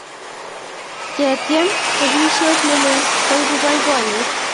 Ketiem chopisiet nelel koipu boiboiyet